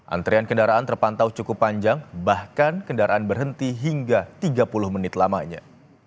antrian kendaraan terpantau cukup panjang bahkan kendaraan berhenti hingga tiga puluh menit lamanya